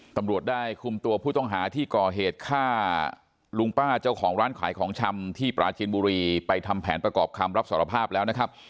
ตำรวจได้คุมตัวผู้ต้องหาที่ก่อเหตุฆ่าลุงป้าเจ้าของร้านขายของชำที่ปราจีนบุรีไปทำแผนประกอบคำรับสารภาพแล้วนะครับ